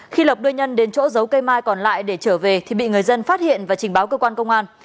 khi lộc đưa nhân đến chỗ giấu cây mai còn lại để trở về thì bị người dân phát hiện và trình báo cơ quan công an